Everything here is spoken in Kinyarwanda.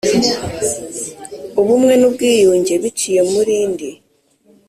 ubumwe n ubwiyunge biciye muri Ndi